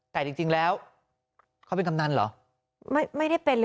แต่จริงแล้วเขาเป็นกำนันหรอไม่ได้เป็นหรือเปล่า